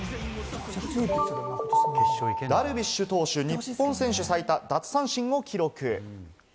ダルビッシュ投手、日本人選手最多奪三振記録。